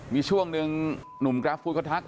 มีช่วงหนึ่งหนุ่มกราฟฟู้ดเขาทัก